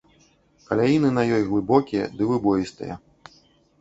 Каляіны на ёй глыбокія ды выбоістыя.